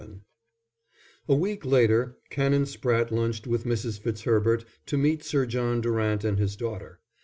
VII A week later Canon Spratte lunched with Mrs. Fitzherbert to meet Sir John Durant and his daughter.